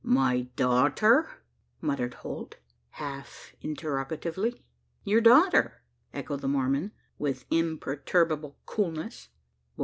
"My daughter?" muttered Holt, half interrogatively. "Your daughter!" echoed the Mormon, with imperturbable coolness.